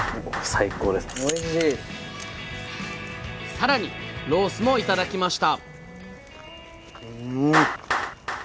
さらにロースも頂きました！